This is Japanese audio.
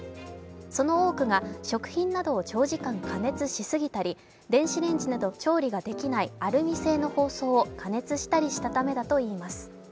その多くが食品などを長時間加熱しすぎたり、電子レンジなど調理ができないアルミ製の包装を加熱したりしたためだといいます。